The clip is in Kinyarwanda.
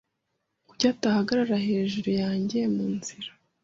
Kuki utahagarara hejuru yanjye mu nzira?